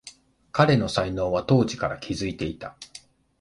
彼の才能は当時から気づいていた